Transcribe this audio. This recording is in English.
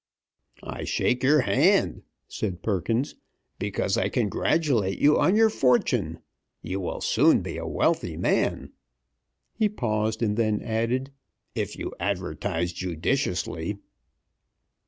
"I shake your hand," said Perkins, "because I congratulate you on your fortune. You will soon be a wealthy man." He paused, and then added, "If you advertise judiciously."